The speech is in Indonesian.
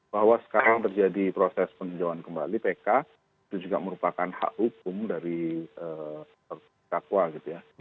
bahwa sekarang terjadi proses peninjauan kembali pk itu juga merupakan hak hukum dari terdakwa gitu ya